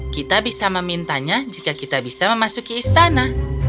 kita bisa memintanya jika kita bisa memasuki istana